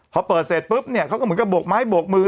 พอเปิดเสร็จปุ๊บเนี่ยเขาก็เหมือนกับโบกไม้โบกมือ